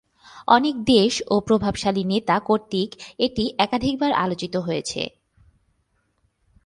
অনেক দেশ ও প্রভাবশালী নেতা কর্তৃক এটি একাধিকবার আলোচিত হয়েছে।